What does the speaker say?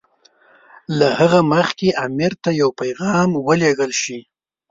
له هغه مخکې امیر ته یو پیغام ولېږل شي.